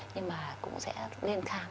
nhưng mà cũng sẽ lên khám